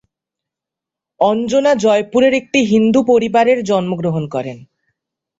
অঞ্জনা জয়পুরের একটি হিন্দু পরিবারের জন্মগ্রহণ করেন।